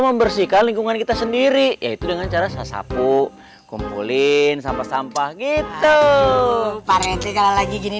membersihkan lingkungan kita sendiri yaitu dengan cara sasapu kumpulin sampah sampah gitu parence kalau lagi gini